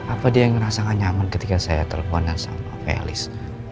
apa dia yang merasa gak nyaman ketika saya telepon dan sama felis